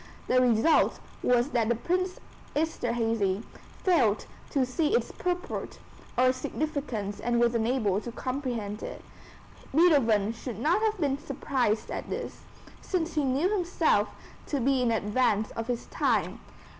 The result was that Prince Esterhazy failed to see its purport or significance and was unable to comprehend it. Beethoven should not have been surprised at this, since he knew himself to be in advance of his time.